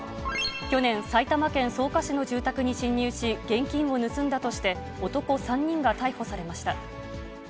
去年、埼玉県草加市の住宅に侵入し、現金を盗んだとして、男３人が逮捕されました。